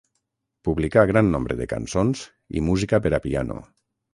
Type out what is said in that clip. Publicà gran nombre de cançons i música per a piano.